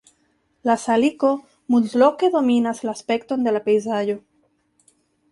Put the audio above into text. La saliko multloke dominas la aspekton de la pejzaĝo.